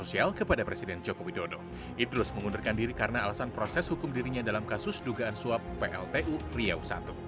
idrus mengundurkan diri karena alasan proses hukum dirinya dalam kasus dugaan suap pltu riau i